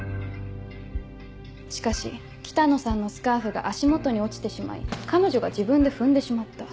しかし北野さんのスカーフが足元に落ちてしまい彼女が自分で踏んでしまった。